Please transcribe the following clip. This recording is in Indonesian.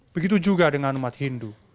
begitu juga dengan umat hindu